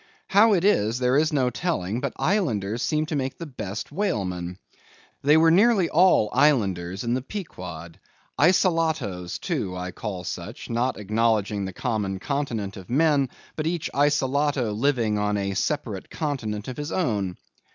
How it is, there is no telling, but Islanders seem to make the best whalemen. They were nearly all Islanders in the Pequod, Isolatoes too, I call such, not acknowledging the common continent of men, but each Isolato living on a separate continent of his own.